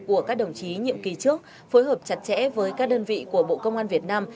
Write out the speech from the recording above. của các đồng chí nhiệm kỳ trước phối hợp chặt chẽ với các đơn vị của bộ công an việt nam